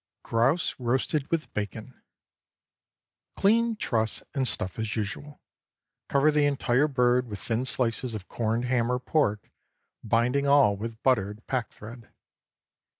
GROUSE ROASTED WITH BACON. ✠ Clean, truss, and stuff as usual. Cover the entire bird with thin slices of corned ham or pork, binding all with buttered pack thread.